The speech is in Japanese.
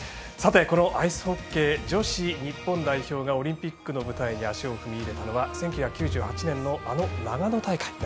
このアイスホッケー女子日本代表がオリンピックの舞台に足を踏み入れたのは１９９８年のあの長野大会。